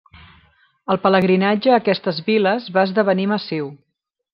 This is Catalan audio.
El pelegrinatge a aquestes viles va esdevenir massiu.